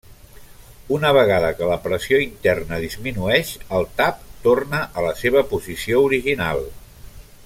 Una vegada que la pressió interna disminueix el tap torna a la seva posició original.